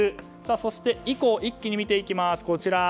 そして、それ以降を一気に見ていきます。